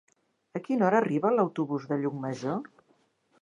A quina hora arriba l'autobús de Llucmajor?